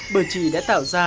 bởi chị đã tạo ra